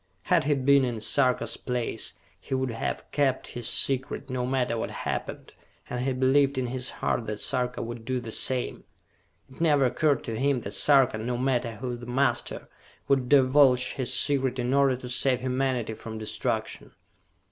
Had he been in Sarka's place, he would have kept his secret, no matter what happened, and he believed in his heart that Sarka would do the same. It never occurred to him that Sarka, no matter who the master, would divulge his secret in order to save humanity from destruction.